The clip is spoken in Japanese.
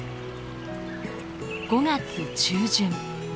５月中旬